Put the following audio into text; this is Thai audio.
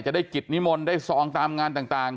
จะได้กิจนิมนต์ได้ซองตามงานต่าง